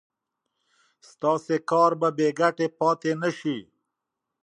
ستاسو کار به بې ګټې پاتې نشي.